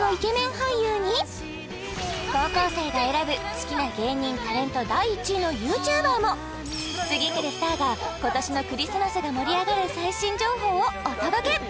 俳優に高校生が選ぶ好きな芸人・タレント第１位のＹｏｕＴｕｂｅｒも次くるスターが今年のクリスマスが盛り上がる最新情報をお届け！